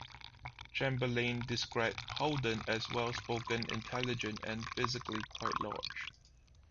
Chamberlain described Holden as well-spoken, intelligent and physically quite large.